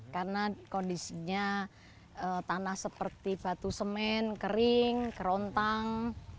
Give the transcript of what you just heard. karena kondisinya tanah seperti batu semen kering kerontang